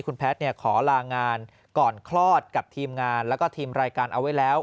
คุณแพทย์ขอลางานก่อนคลอดกับทีมงานแล้วก็ทีมรายการเอาไว้แล้ว